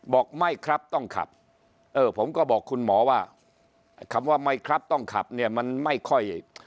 บอกไม่ครับต้องขับเออผมก็บอกคุณหมอว่าคำว่าไม่ครับต้องขับเนี่ยมันไม่ค่อย